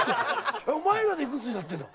お前らで幾つになってんの？